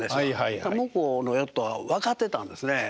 向こうのヨットは分かってたんですね。